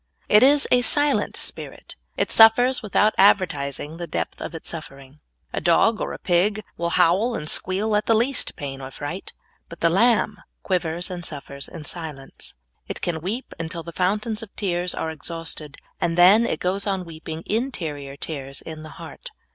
It is a silent spirit. It suffers without advertising the depth of its suffering. A dog or a pig will howl and squeal at the least pain or fright, but the lamb quivers and suffers in silence. It can weep until the fountains of tears are exhausted, and then it goes on weeping interior tears in the heart.